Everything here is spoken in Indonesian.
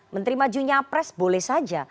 menteri majunya pres boleh saja